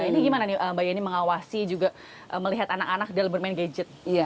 ini gimana nih mbak yeni mengawasi juga melihat anak anak dalam bermain gadget